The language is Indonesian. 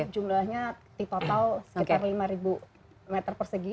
jumlahnya di total sekitar lima meter persegi